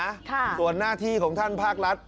ส่วนหน้าที่ของท่านภาครัฐ